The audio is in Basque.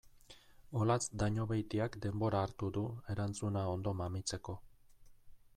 Olatz Dañobeitiak denbora hartu du erantzuna ondo mamitzeko.